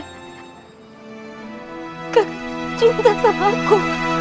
kakak cinta sama aku